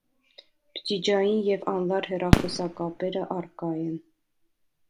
Բջիջային եւ անլար հեռախօսակապերը առկայ են։